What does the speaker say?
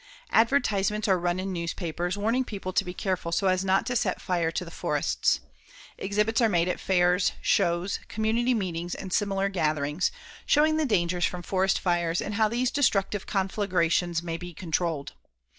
Advertisements are run in newspapers, warning people to be careful so as not to set fire to the forests. Exhibits are made at fairs, shows, community meetings and similar gatherings, showing the dangers from forest fires and how these destructive conflagrations may be controlled.